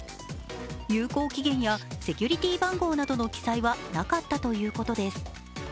有効期限やセキュリティー番号の記載はなかったということです。